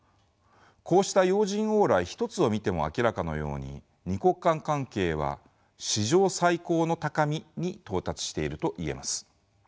こうした要人往来一つを見ても明らかなように二国間関係は史上最高の高みに到達していると言えます。